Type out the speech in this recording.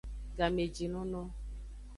Gamejinono.